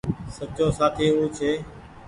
سچو سآٿي او ڇي